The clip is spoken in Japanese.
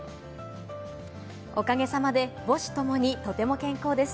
おかげさまで母子ともに健康です。